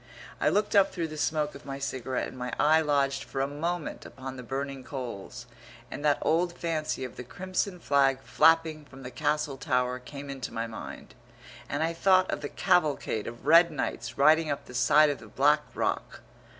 I looked up through the smoke of my cigarette and my eye lodged for a moment upon the burning coals, and that old fancy of the crimson flag flapping from the castle tower came into my mind, and I thought of the cavalcade of red knights riding up the side of the black rock.